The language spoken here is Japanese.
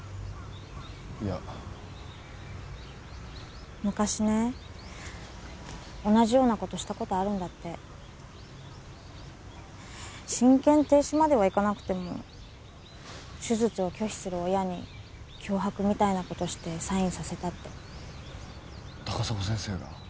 いや昔ね同じようなことしたことあるんだって親権停止まではいかなくても手術を拒否する親に脅迫みたいなことしてサインさせたって高砂先生が？